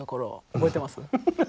覚えてます？